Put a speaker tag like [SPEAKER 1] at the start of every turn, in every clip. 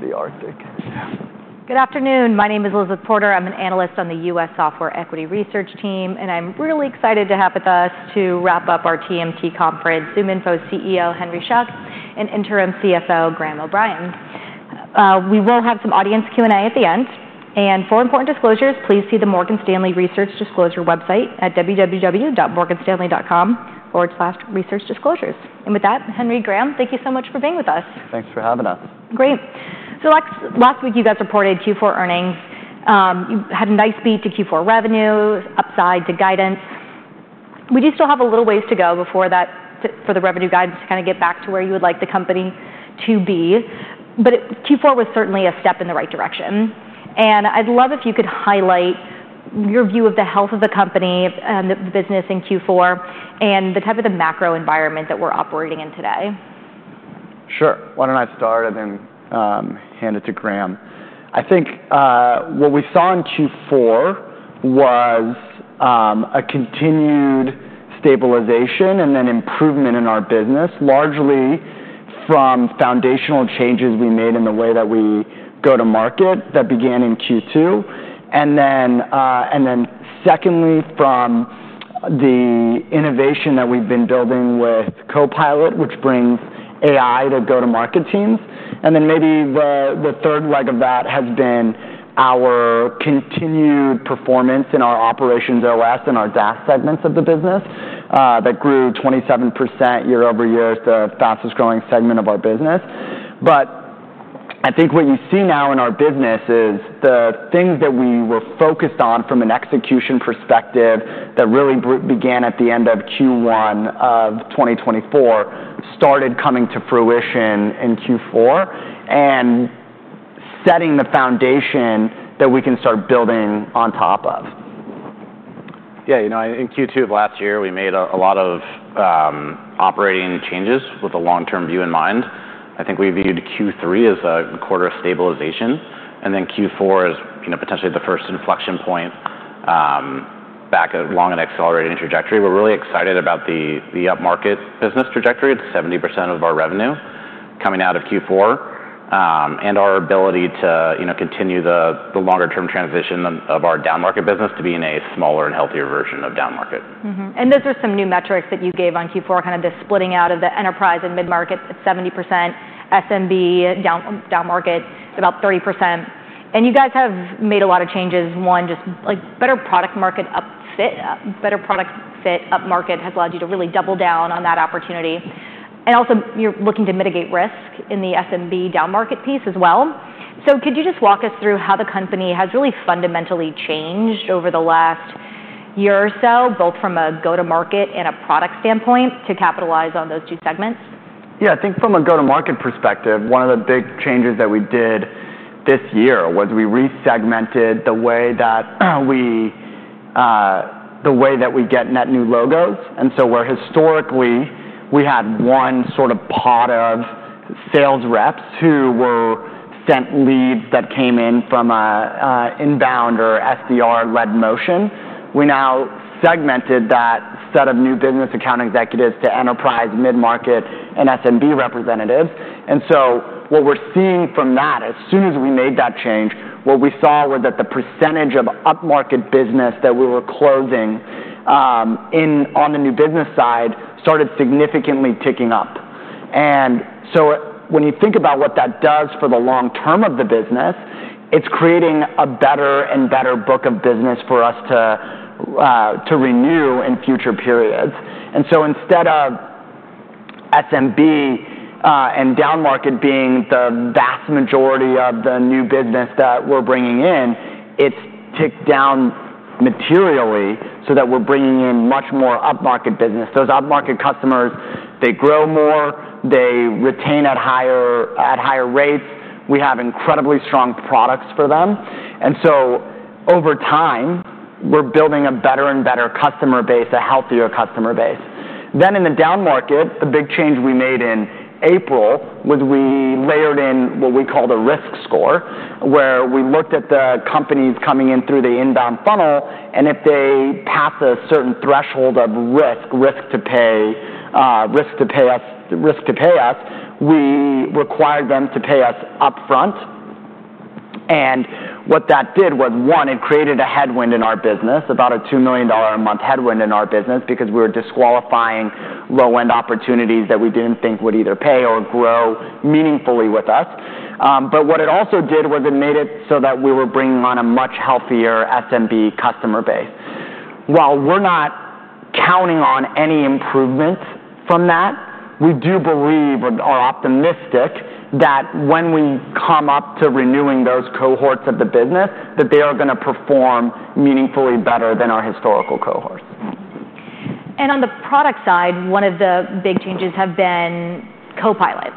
[SPEAKER 1] Welcome to the Arctic.
[SPEAKER 2] Good afternoon. My name is Elizabeth Porter. I'm an analyst on the U.S. Software Equity Research team, and I'm really excited to have with us, to wrap up our TMT conference, ZoomInfo CEO Henry Schuck and interim CFO Graham O'Brien. We will have some audience Q&A at the end, and for important disclosures, please see the Morgan Stanley Research Disclosure website at www.morganstanley.com/researchdisclosures, and with that, Henry, Graham, thank you so much for being with us.
[SPEAKER 1] Thanks for having us.
[SPEAKER 2] Great. So last week you guys reported Q4 earnings. You had a nice beat to Q4 revenue, upside to guidance. We do still have a little ways to go before that for the revenue guidance to kind of get back to where you would like the company to be. But Q4 was certainly a step in the right direction. And I'd love if you could highlight your view of the health of the company and the business in Q4 and the type of the macro environment that we're operating in today.
[SPEAKER 1] Sure. Why don't I start and then hand it to Graham. I think what we saw in Q4 was a continued stabilization and then improvement in our business, largely from foundational changes we made in the way that we go to market that began in Q2. And then secondly, from the innovation that we've been building with Copilot, which brings AI to go-to-market teams. And then maybe the third leg of that has been our continued performance in our OperationsOS and our SaaS segments of the business that grew 27% year over year, the fastest growing segment of our business. But I think what you see now in our business is the things that we were focused on from an execution perspective that really began at the end of Q1 of 2024, started coming to fruition in Q4, and setting the foundation that we can start building on top of.
[SPEAKER 3] Yeah, you know, in Q2 of last year, we made a lot of operating changes with a long-term view in mind. I think we viewed Q3 as a quarter of stabilization, and then Q4 as potentially the first inflection point back along an accelerating trajectory. We're really excited about the up-market business trajectory. It's 70% of our revenue coming out of Q4 and our ability to continue the longer-term transition of our down-market business to be in a smaller and healthier version of down-market.
[SPEAKER 2] Those are some new metrics that you gave on Q4, kind of the splitting out of the enterprise and mid-market at 70%, SMB down-market about 30%. You guys have made a lot of changes. One, just better product-market fit up-market has allowed you to really double down on that opportunity. Also, you're looking to mitigate risk in the SMB down-market piece as well. Could you just walk us through how the company has really fundamentally changed over the last year or so, both from a go-to-market and a product standpoint to capitalize on those two segments?
[SPEAKER 1] Yeah, I think from a go-to-market perspective, one of the big changes that we did this year was we resegmented the way that we get net new logos. And so where historically we had one sort of pod of sales reps who were sent leads that came in from an inbound or SDR-led motion, we now segmented that set of new business account executives to enterprise, mid-market, and SMB representatives. And so what we're seeing from that, as soon as we made that change, what we saw was that the percentage of up-market business that we were closing on the new business side started significantly ticking up. And so when you think about what that does for the long term of the business, it's creating a better and better book of business for us to renew in future periods. And so instead of SMB and down-market being the vast majority of the new business that we're bringing in, it's ticked down materially so that we're bringing in much more up-market business. Those up-market customers, they grow more, they retain at higher rates. We have incredibly strong products for them. And so over time, we're building a better and better customer base, a healthier customer base. Then in the down-market, the big change we made in April was we layered in what we called a risk score, where we looked at the companies coming in through the inbound funnel, and if they pass a certain threshold of risk, risk to pay, risk to pay us, we required them to pay us upfront. What that did was, one, it created a headwind in our business, about a $2 million a month headwind in our business because we were disqualifying low-end opportunities that we didn't think would either pay or grow meaningfully with us. But what it also did was it made it so that we were bringing on a much healthier SMB customer base. While we're not counting on any improvements from that, we do believe or are optimistic that when we come up to renewing those cohorts of the business, that they are going to perform meaningfully better than our historical cohorts.
[SPEAKER 2] On the product side, one of the big changes has been Copilot.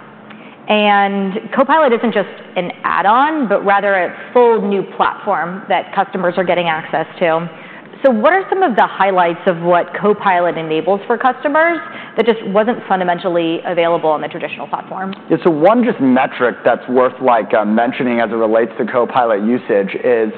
[SPEAKER 2] Copilot isn't just an add-on, but rather a full new platform that customers are getting access to. What are some of the highlights of what Copilot enables for customers that just wasn't fundamentally available on the traditional platform?
[SPEAKER 1] Yeah, so one just metric that's worth mentioning as it relates to Copilot usage is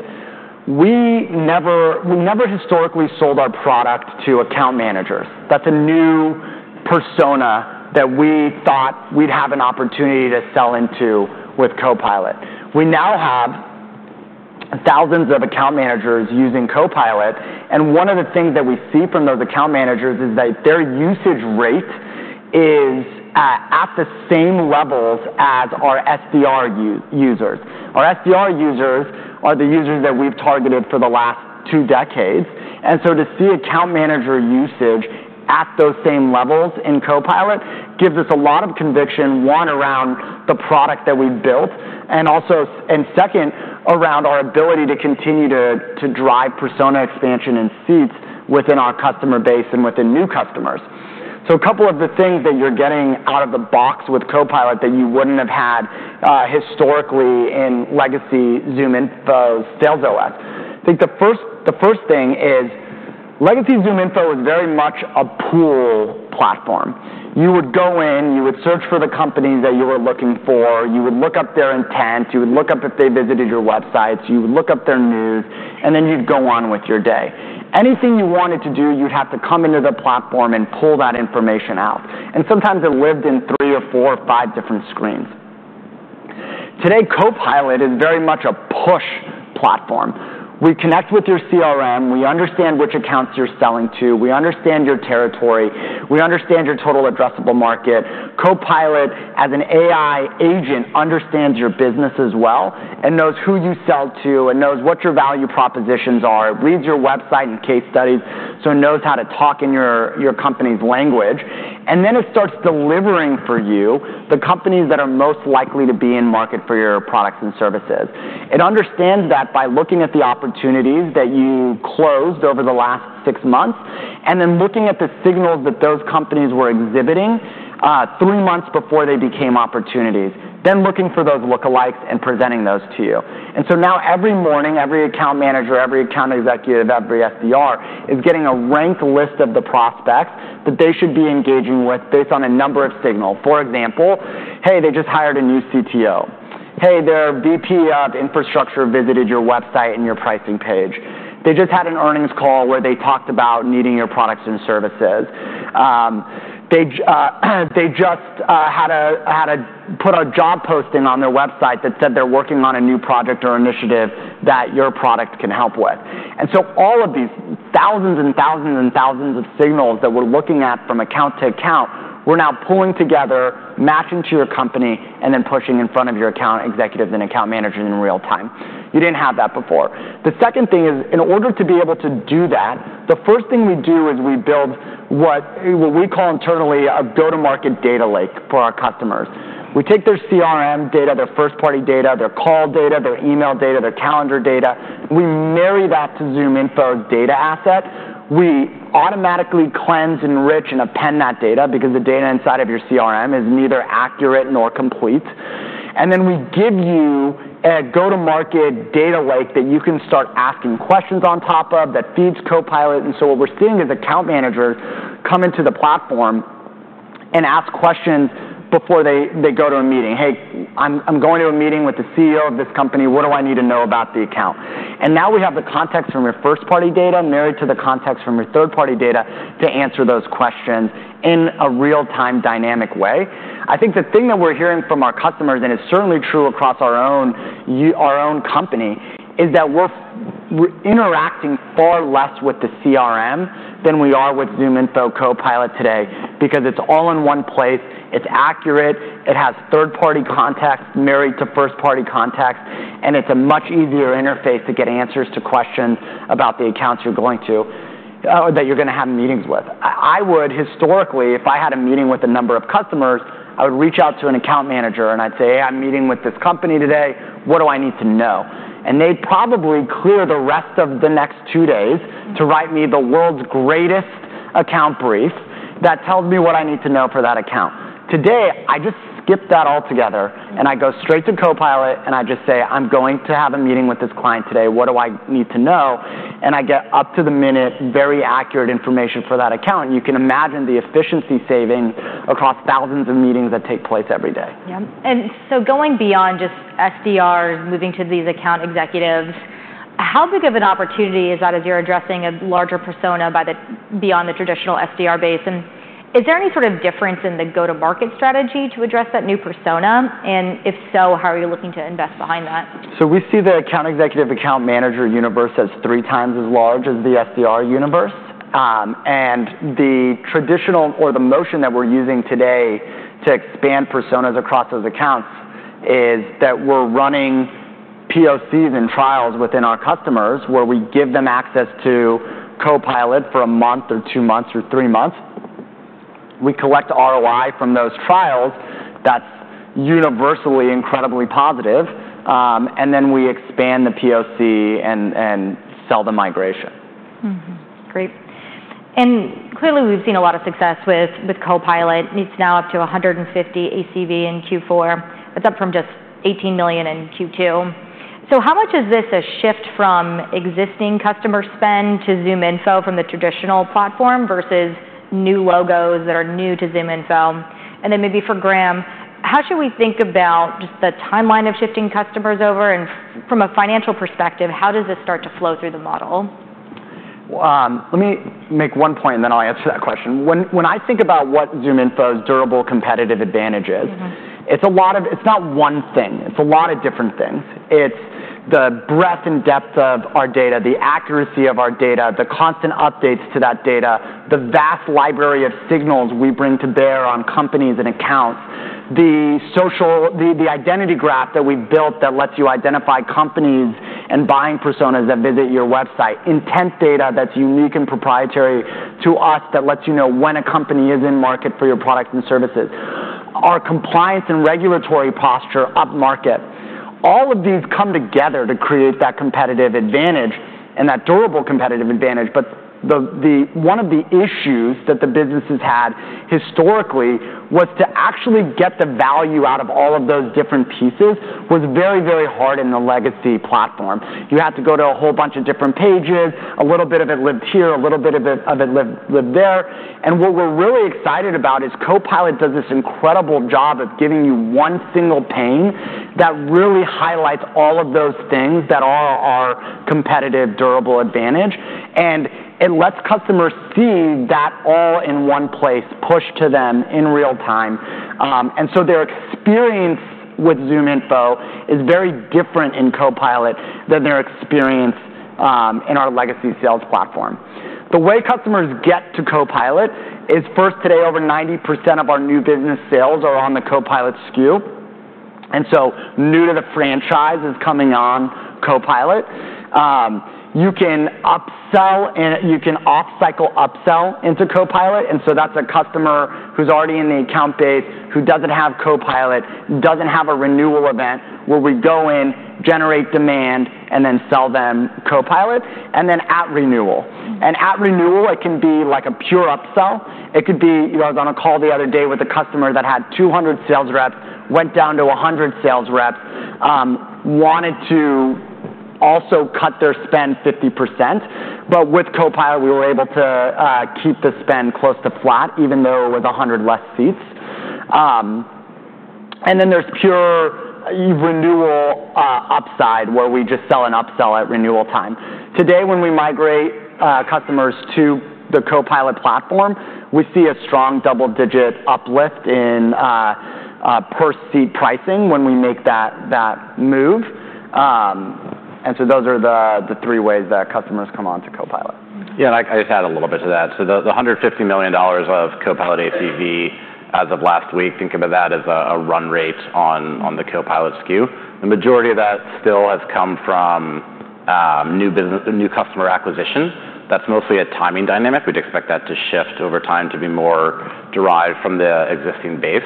[SPEAKER 1] we never historically sold our product to account managers. That's a new persona that we thought we'd have an opportunity to sell into with Copilot. We now have thousands of account managers using Copilot. And one of the things that we see from those account managers is that their usage rate is at the same levels as our SDR users. Our SDR users are the users that we've targeted for the last two decades. And so to see account manager usage at those same levels in Copilot gives us a lot of conviction, one, around the product that we built, and second, around our ability to continue to drive persona expansion and seats within our customer base and within new customers. So, a couple of the things that you're getting out of the box with Copilot that you wouldn't have had historically in legacy ZoomInfo SalesOS. I think the first thing is legacy ZoomInfo was very much a pull platform. You would go in, you would search for the companies that you were looking for, you would look up their intent, you would look up if they visited your websites, you would look up their news, and then you'd go on with your day. Anything you wanted to do, you'd have to come into the platform and pull that information out. And sometimes it lived in three or four or five different screens. Today, Copilot is very much a push platform. We connect with your CRM. We understand which accounts you're selling to. We understand your territory. We understand your total addressable market. Copilot, as an AI agent, understands your business as well and knows who you sell to and knows what your value propositions are. It reads your website and case studies, so it knows how to talk in your company's language. And then it starts delivering for you the companies that are most likely to be in market for your products and services. It understands that by looking at the opportunities that you closed over the last six months and then looking at the signals that those companies were exhibiting three months before they became opportunities, then looking for those lookalikes and presenting those to you. And so now every morning, every account manager, every account executive, every SDR is getting a ranked list of the prospects that they should be engaging with based on a number of signals. For example, hey, they just hired a new CTO. Hey, their VP of infrastructure visited your website and your pricing page. They just had an earnings call where they talked about needing your products and services. They just had to put a job posting on their website that said they're working on a new project or initiative that your product can help with. And so all of these thousands and thousands and thousands of signals that we're looking at from account to account, we're now pulling together, matching to your company, and then pushing in front of your account executives and account managers in real time. You didn't have that before. The second thing is, in order to be able to do that, the first thing we do is we build what we call internally a go-to-market data lake for our customers. We take their CRM data, their first-party data, their call data, their email data, their calendar data. We marry that to ZoomInfo's data asset. We automatically cleanse, enrich, and append that data because the data inside of your CRM is neither accurate nor complete. And then we give you a go-to-market data lake that you can start asking questions on top of that feeds Copilot. And so what we're seeing is account managers come into the platform and ask questions before they go to a meeting. Hey, I'm going to a meeting with the CEO of this company. What do I need to know about the account? And now we have the context from your first-party data married to the context from your third-party data to answer those questions in a real-time dynamic way. I think the thing that we're hearing from our customers, and it's certainly true across our own company, is that we're interacting far less with the CRM than we are with ZoomInfo Copilot today because it's all in one place. It's accurate. It has third-party context married to first-party context, and it's a much easier interface to get answers to questions about the accounts you're going to or that you're going to have meetings with. I would, historically, if I had a meeting with a number of customers, I would reach out to an account manager and I'd say, hey, I'm meeting with this company today. What do I need to know? And they'd probably clear the rest of the next two days to write me the world's greatest account brief that tells me what I need to know for that account. Today, I just skip that altogether and I go straight to Copilot and I just say, I'm going to have a meeting with this client today. What do I need to know? And I get up-to-the-minute, very accurate information for that account. You can imagine the efficiency saving across thousands of meetings that take place every day.
[SPEAKER 2] Yeah. And so going beyond just SDRs, moving to these account executives, how big of an opportunity is that as you're addressing a larger persona beyond the traditional SDR base? And is there any sort of difference in the go-to-market strategy to address that new persona? And if so, how are you looking to invest behind that?
[SPEAKER 1] So we see the account executive account manager universe as three times as large as the SDR universe. And the traditional or the motion that we're using today to expand personas across those accounts is that we're running POCs and trials within our customers where we give them access to Copilot for a month or two months or three months. We collect ROI from those trials that's universally incredibly positive. And then we expand the POC and sell the migration.
[SPEAKER 2] Great. And clearly, we've seen a lot of success with Copilot. It's now up to $150 million ACV in Q4. That's up from just $18 million in Q2. So how much is this a shift from existing customer spend to ZoomInfo from the traditional platform versus new logos that are new to ZoomInfo? And then maybe for Graham, how should we think about just the timeline of shifting customers over? And from a financial perspective, how does this start to flow through the model?
[SPEAKER 1] Let me make one point, and then I'll answer that question. When I think about what ZoomInfo's durable competitive advantage is, it's a lot of, it's not one thing. It's a lot of different things. It's the breadth and depth of our data, the accuracy of our data, the constant updates to that data, the vast library of signals we bring to bear on companies and accounts, the identity graph that we've built that lets you identify companies and buying personas that visit your website, intent data that's unique and proprietary to us that lets you know when a company is in market for your product and services, our compliance and regulatory posture up-market. All of these come together to create that competitive advantage and that durable competitive advantage. But one of the issues that the businesses had historically was to actually get the value out of all of those different pieces was very, very hard in the legacy platform. You had to go to a whole bunch of different pages. A little bit of it lived here. A little bit of it lived there. And what we're really excited about is Copilot does this incredible job of giving you one single pane that really highlights all of those things that are our competitive durable advantage. And it lets customers see that all in one place, pushed to them in real time. And so their experience with ZoomInfo is very different in Copilot than their experience in our legacy sales platform. The way customers get to Copilot is first, today, over 90% of our new business sales are on the Copilot SKU. And so, new to the franchise is coming on Copilot. You can upsell, and you can off-cycle upsell into Copilot. And so, that's a customer who's already in the account base who doesn't have Copilot, doesn't have a renewal event, where we go in, generate demand, and then sell them Copilot, and then at renewal. And at renewal, it can be like a pure upsell. It could be I was on a call the other day with a customer that had 200 sales reps, went down to 100 sales reps, wanted to also cut their spend 50%. But with Copilot, we were able to keep the spend close to flat, even though it was 100 less seats. And then there's pure renewal upside, where we just sell and upsell at renewal time. Today, when we migrate customers to the Copilot platform, we see a strong double-digit uplift in per seat pricing when we make that move, and so those are the three ways that customers come on to Copilot.
[SPEAKER 3] Yeah, and I just add a little bit to that. So the $150 million of Copilot ACV as of last week, think of that as a run rate on the Copilot SKU. The majority of that still has come from new customer acquisition. That's mostly a timing dynamic. We'd expect that to shift over time to be more derived from the existing base.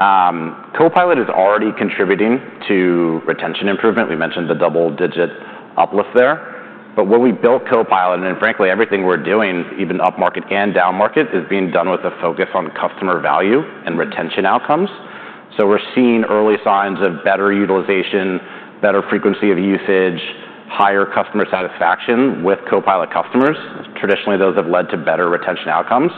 [SPEAKER 3] Copilot is already contributing to retention improvement. We mentioned the double-digit uplift there. But when we built Copilot, and frankly, everything we're doing, even up-market and down-market, is being done with a focus on customer value and retention outcomes. So we're seeing early signs of better utilization, better frequency of usage, higher customer satisfaction with Copilot customers. Traditionally, those have led to better retention outcomes.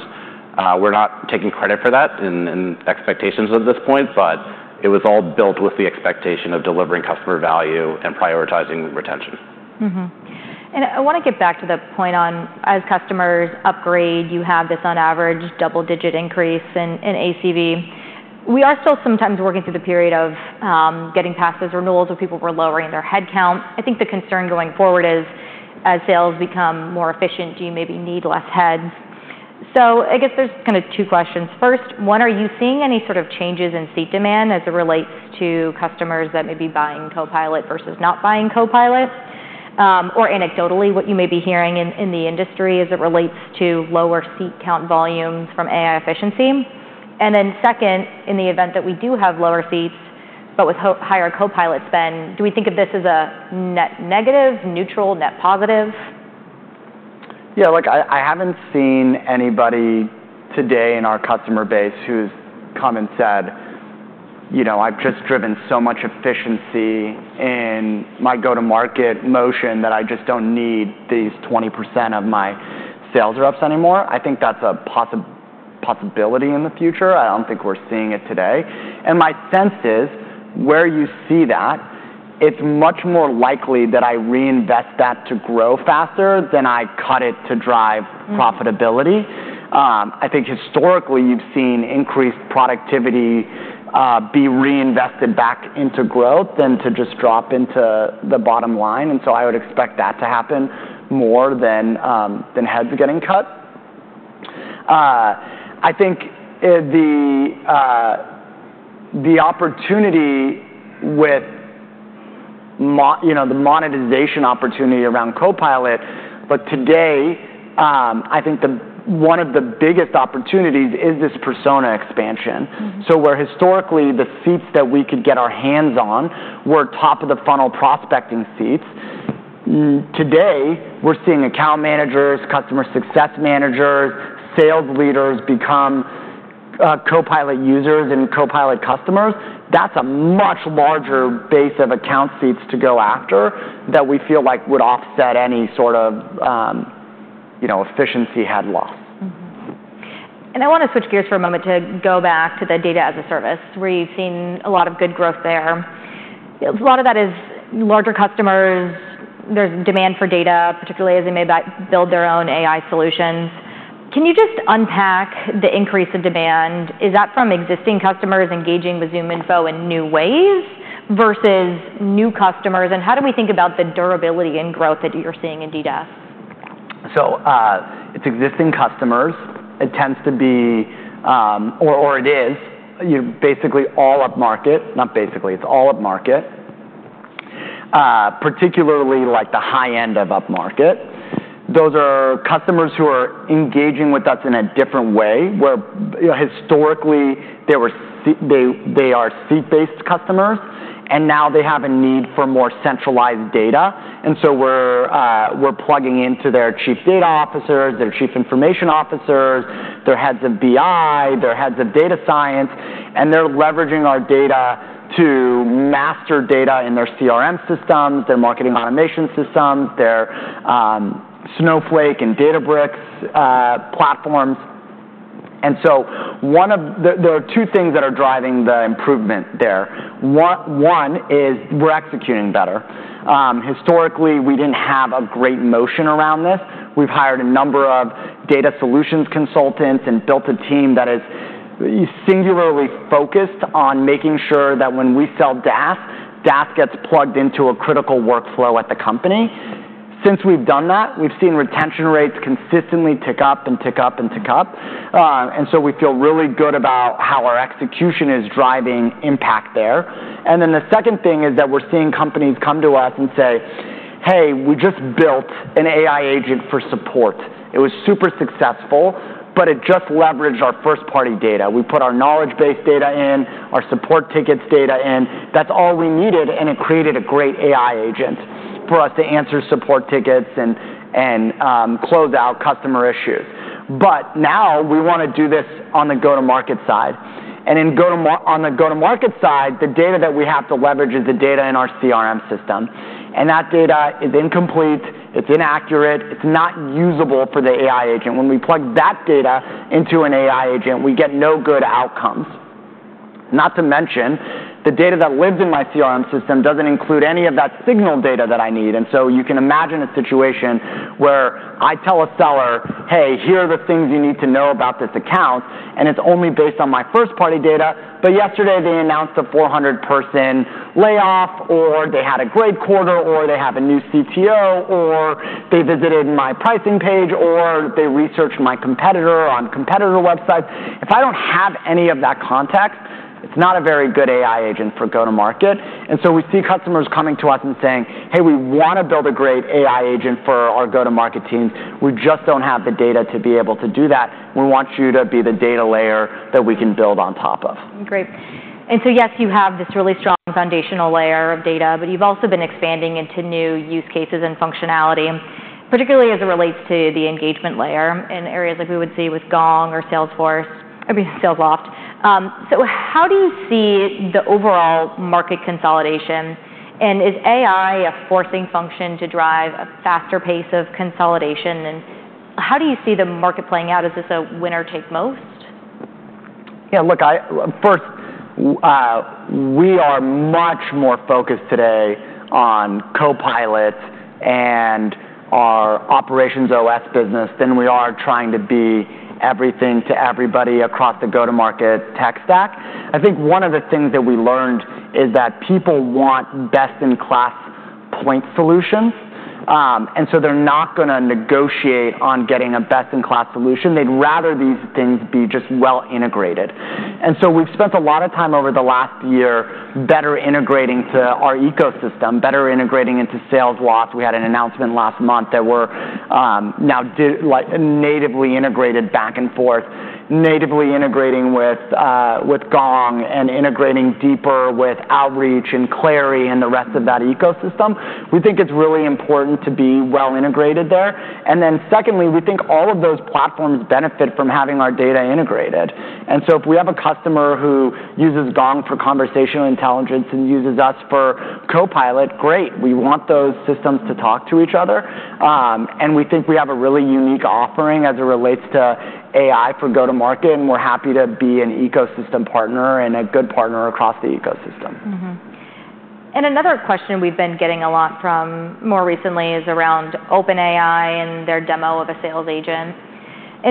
[SPEAKER 3] We're not taking credit for that in expectations at this point, but it was all built with the expectation of delivering customer value and prioritizing retention.
[SPEAKER 2] I want to get back to the point on, as customers upgrade, you have this on average double-digit increase in ACV. We are still sometimes working through the period of getting past those renewals with people who are lowering their head count. I think the concern going forward is, as sales become more efficient, do you maybe need less heads? So I guess there's kind of two questions. First, one, are you seeing any sort of changes in seat demand as it relates to customers that may be buying Copilot versus not buying Copilot? Or anecdotally, what you may be hearing in the industry as it relates to lower seat count volumes from AI efficiency? And then second, in the event that we do have lower seats, but with higher Copilot spend, do we think of this as a net negative, neutral, net positive?
[SPEAKER 1] Yeah, look, I haven't seen anybody today in our customer base who's come and said, you know, I've just driven so much efficiency in my go-to-market motion that I just don't need these 20% of my sales reps anymore. I think that's a possibility in the future. I don't think we're seeing it today, and my sense is, where you see that, it's much more likely that I reinvest that to grow faster than I cut it to drive profitability. I think historically, you've seen increased productivity be reinvested back into growth than to just drop into the bottom line, and so I would expect that to happen more than heads getting cut. I think the opportunity with the monetization opportunity around Copilot, but today, I think one of the biggest opportunities is this persona expansion. Where historically the seats that we could get our hands on were top-of-the-funnel prospecting seats, today, we're seeing account managers, customer success managers, sales leaders become Copilot users and Copilot customers. That's a much larger base of account seats to go after that we feel like would offset any sort of efficiency head loss.
[SPEAKER 2] I want to switch gears for a moment to go back to the data as a service, where you've seen a lot of good growth there. A lot of that is larger customers. There's demand for data, particularly as they may build their own AI solutions. Can you just unpack the increase in demand? Is that from existing customers engaging with ZoomInfo in new ways versus new customers? How do we think about the durability and growth that you're seeing in DaaS?
[SPEAKER 1] It's existing customers. It tends to be, or it is, basically all up-market. Not basically. It's all up-market, particularly like the high end of up-market. Those are customers who are engaging with us in a different way, where historically they are seat-based customers, and now they have a need for more centralized data. We're plugging into their Chief Data Officers, their Chief Information Officers, their heads of BI, their heads of data science, and they're leveraging our data to master data in their CRM systems, their marketing automation systems, their Snowflake and Databricks platforms. There are two things that are driving the improvement there. One is we're executing better. Historically, we didn't have a great motion around this. We've hired a number of data solutions consultants and built a team that is singularly focused on making sure that when we sell DaaS, DaaS gets plugged into a critical workflow at the company. Since we've done that, we've seen retention rates consistently tick up and tick up and tick up. And so we feel really good about how our execution is driving impact there, and then the second thing is that we're seeing companies come to us and say, hey, we just built an AI agent for support. It was super successful, but it just leveraged our first-party data. We put our knowledge base data in, our support tickets data in. That's all we needed, and it created a great AI agent for us to answer support tickets and close out customer issues, but now we want to do this on the go-to-market side. On the go-to-market side, the data that we have to leverage is the data in our CRM system. That data is incomplete. It's inaccurate. It's not usable for the AI agent. When we plug that data into an AI agent, we get no good outcomes. Not to mention, the data that lives in my CRM system doesn't include any of that signal data that I need. So you can imagine a situation where I tell a seller, hey, here are the things you need to know about this account, and it's only based on my first-party data, but yesterday, they announced a 400-person layoff, or they had a great quarter, or they have a new CTO, or they visited my pricing page, or they researched my competitor on competitor websites. If I don't have any of that context, it's not a very good AI agent for go-to-market. And so we see customers coming to us and saying, hey, we want to build a great AI agent for our go-to-market teams. We just don't have the data to be able to do that. We want you to be the data layer that we can build on top of.
[SPEAKER 2] Great. And so yes, you have this really strong foundational layer of data, but you've also been expanding into new use cases and functionality, particularly as it relates to the engagement layer in areas like we would see with Gong or Salesforce, I mean, SalesLoft. So how do you see the overall market consolidation? And is AI a forcing function to drive a faster pace of consolidation? And how do you see the market playing out? Is this a winner take most?
[SPEAKER 1] Yeah, look, first, we are much more focused today on Copilot and our Operations OS business than we are trying to be everything to everybody across the go-to-market tech stack. I think one of the things that we learned is that people want best-in-class point solutions. And so they're not going to negotiate on getting a best-in-class solution. They'd rather these things be just well-integrated. And so we've spent a lot of time over the last year better integrating to our ecosystem, better integrating into SalesLoft. We had an announcement last month that we're now natively integrated back and forth, natively integrating with Gong and integrating deeper with Outreach and Clary and the rest of that ecosystem. We think it's really important to be well-integrated there. And then secondly, we think all of those platforms benefit from having our data integrated. If we have a customer who uses Gong for conversational intelligence and uses us for Copilot, great. We want those systems to talk to each other. We think we have a really unique offering as it relates to AI for go-to-market, and we're happy to be an ecosystem partner and a good partner across the ecosystem.
[SPEAKER 2] Another question we've been getting a lot more recently is around OpenAI and their demo of a sales agent.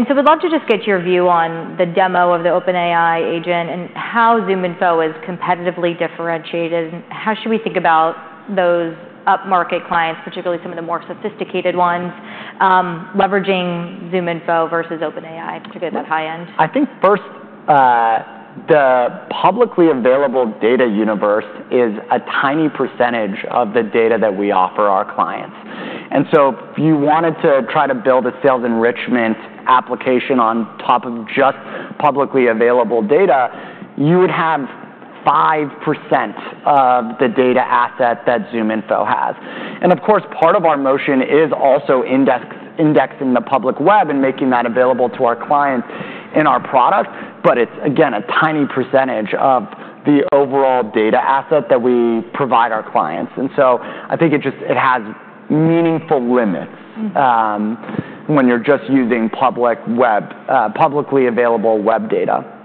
[SPEAKER 2] So we'd love to just get your view on the demo of the OpenAI agent and how ZoomInfo is competitively differentiated. How should we think about those up-market clients, particularly some of the more sophisticated ones, leveraging ZoomInfo versus OpenAI, particularly that high end?
[SPEAKER 1] I think first, the publicly available data universe is a tiny percentage of the data that we offer our clients. And so if you wanted to try to build a sales enrichment application on top of just publicly available data, you would have 5% of the data asset that ZoomInfo has. And of course, part of our motion is also indexing the public web and making that available to our clients in our product, but it's, again, a tiny percentage of the overall data asset that we provide our clients. And so I think it has meaningful limits when you're just using publicly available web data.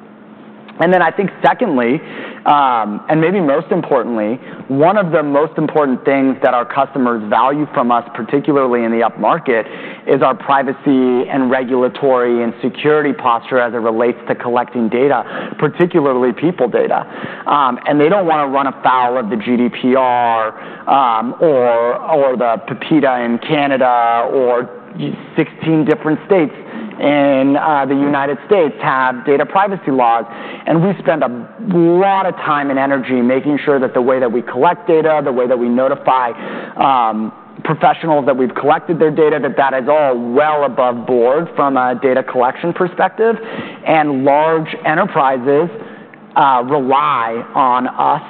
[SPEAKER 1] And then I think secondly, and maybe most importantly, one of the most important things that our customers value from us, particularly in the up-market, is our privacy and regulatory and security posture as it relates to collecting data, particularly people data. And they don't want to run afoul of the GDPR or the PIPEDA in Canada or 16 different states in the United States have data privacy laws. And we spend a lot of time and energy making sure that the way that we collect data, the way that we notify professionals that we've collected their data, that that is all well above board from a data collection perspective. And large enterprises rely on us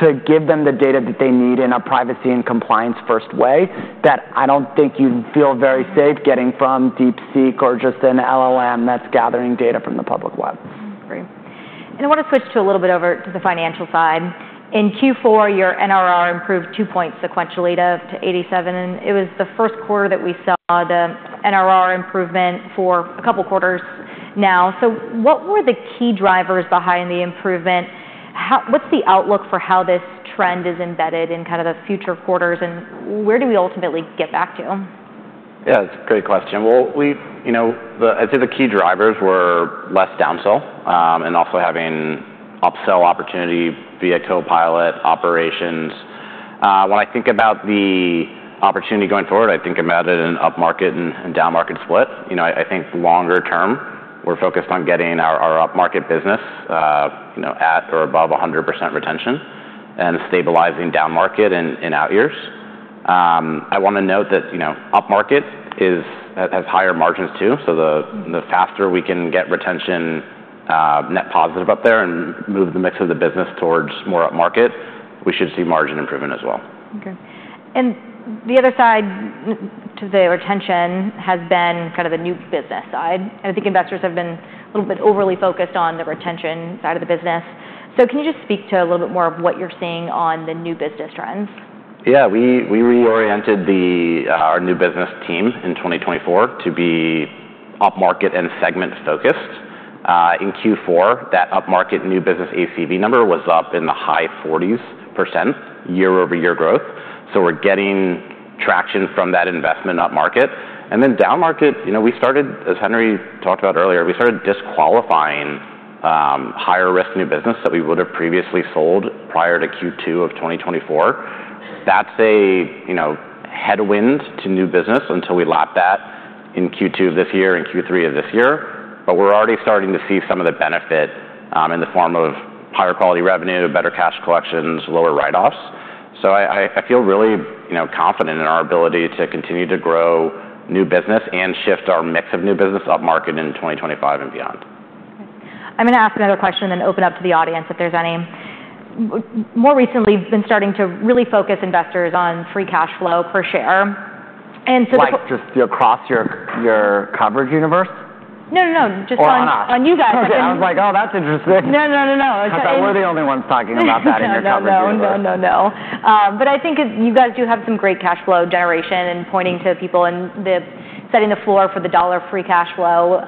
[SPEAKER 1] to give them the data that they need in a privacy and compliance-first way that I don't think you'd feel very safe getting from DeepSeek or just an LLM that's gathering data from the public web.
[SPEAKER 2] Great, and I want to switch to a little bit over to the financial side. In Q4, your NRR improved two points sequentially to 87. And it was the first quarter that we saw the NRR improvement for a couple of quarters now. So what were the key drivers behind the improvement? What's the outlook for how this trend is embedded in kind of the future quarters? And where do we ultimately get back to?
[SPEAKER 1] Yeah, that's a great question. Well, I'd say the key drivers were less downsell and also having upsell opportunity via Copilot operations. When I think about the opportunity going forward, I think about it in an up-market and down-market split. I think longer term, we're focused on getting our up-market business at or above 100% retention and stabilizing down-market in out years. I want to note that up-market has higher margins too. So the faster we can get retention net positive up there and move the mix of the business towards more up-market, we should see margin improvement as well.
[SPEAKER 2] Okay. And the other side to the retention has been kind of the new business side. And I think investors have been a little bit overly focused on the retention side of the business. So can you just speak to a little bit more of what you're seeing on the new business trends?
[SPEAKER 3] Yeah, we reoriented our new business team in 2024 to be up-market and segment-focused. In Q4, that up-market new business ACV number was up in the high 40s% year-over-year growth. So we're getting traction from that investment up-market. And then down-market, we started, as Henry talked about earlier, we started disqualifying higher-risk new business that we would have previously sold prior to Q2 of 2024. That's a headwind to new business until we lap that in Q2 of this year and Q3 of this year. But we're already starting to see some of the benefit in the form of higher quality revenue, better cash collections, lower write-offs. So I feel really confident in our ability to continue to grow new business and shift our mix of new business up-market in 2025 and beyond.
[SPEAKER 2] I'm going to ask another question and then open up to the audience if there's any. More recently, we've been starting to really focus investors on free cash flow per share, and so.
[SPEAKER 1] Just across your coverage universe?
[SPEAKER 2] No, no, no. Just on you guys.
[SPEAKER 1] Oh, I was like, oh, that's interesting.
[SPEAKER 2] No, no, no, no.
[SPEAKER 1] Because we're the only ones talking about that in your coverage.
[SPEAKER 2] No, no, no, no. But I think you guys do have some great cash flow generation and pointing to people and setting the floor for the dollar free cash flow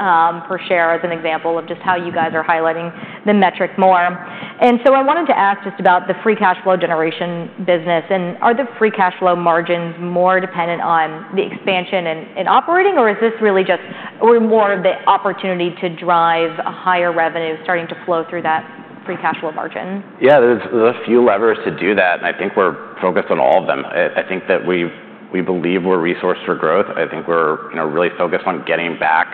[SPEAKER 2] per share as an example of just how you guys are highlighting the metric more. So I wanted to ask just about the free cash flow generation business. And are the free cash flow margins more dependent on the expansion and operating, or is this really just more of the opportunity to drive higher revenue starting to flow through that free cash flow margin?
[SPEAKER 1] Yeah, there's a few levers to do that. And I think we're focused on all of them. I think that we believe we're resourced for growth. I think we're really focused on getting back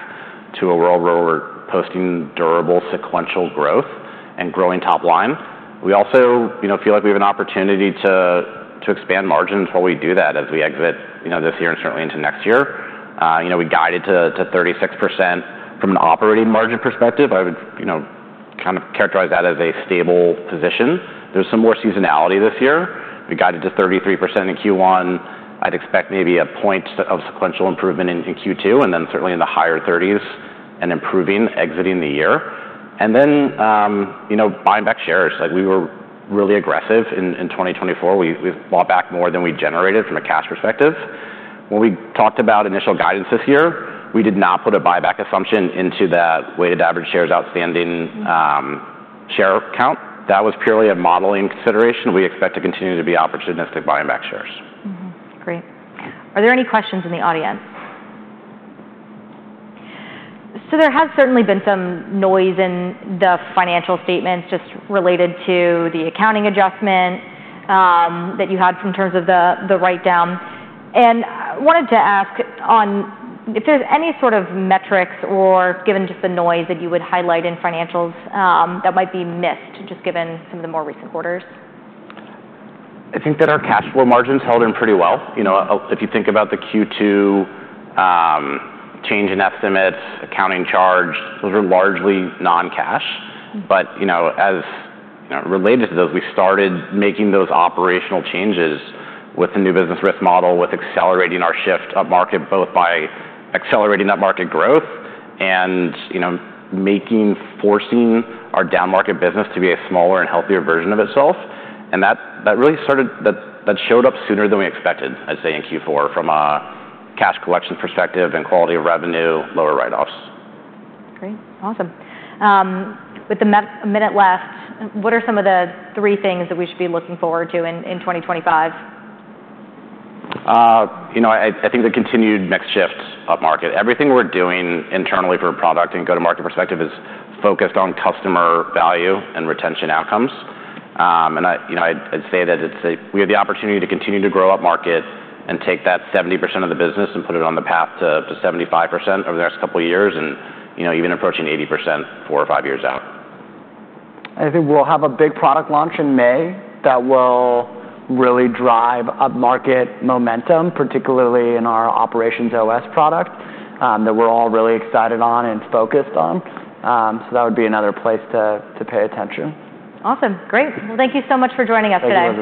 [SPEAKER 1] to a world where we're posting durable sequential growth and growing top line. We also feel like we have an opportunity to expand margins while we do that as we exit this year and certainly into next year. We guided to 36% from an operating margin perspective. I would kind of characterize that as a stable position. There's some more seasonality this year. We guided to 33% in Q1. I'd expect maybe a point of sequential improvement in Q2 and then certainly in the higher 30s and improving exiting the year. And then buying back shares. We were really aggressive in 2024. We bought back more than we generated from a cash perspective. When we talked about initial guidance this year, we did not put a buyback assumption into that weighted average shares outstanding share count. That was purely a modeling consideration. We expect to continue to be opportunistic buying back shares.
[SPEAKER 2] Great. Are there any questions in the audience? So there has certainly been some noise in the financial statements just related to the accounting adjustment that you had in terms of the write-down. And I wanted to ask if there's any sort of metrics or given just the noise that you would highlight in financials that might be missed just given some of the more recent quarters.
[SPEAKER 1] I think that our cash flow margins held in pretty well. If you think about the Q2 change in estimates, accounting charge, those were largely non-cash. But as related to those, we started making those operational changes with the new business risk model, with accelerating our shift up-market, both by accelerating that market growth and forcing our down-market business to be a smaller and healthier version of itself. And that showed up sooner than we expected, I'd say, in Q4 from a cash collection perspective and quality of revenue, lower write-offs.
[SPEAKER 2] Great. Awesome. With one minute left, what are some of the three things that we should be looking forward to in 2025?
[SPEAKER 1] I think the continued next shift up-market. Everything we're doing internally for product and go-to-Market perspective is focused on customer value and retention outcomes, and I'd say that we have the opportunity to continue to grow up-market and take that 70% of the business and put it on the path to 75% over the next couple of years and even approaching 80% four or five years out. I think we'll have a big product launch in May that will really drive up-market momentum, particularly in our OperationsOS product that we're all really excited on and focused on, so that would be another place to pay attention.
[SPEAKER 2] Awesome. Great. Well, thank you so much for joining us today.